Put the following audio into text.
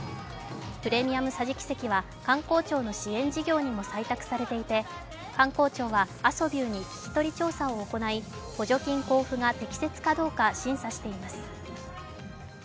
プレミアム桟敷席は観光庁の支援事業にも採択されていて観光庁はアソビューに聞き取り調査を行い補助金交付が適切かどうか審査しています。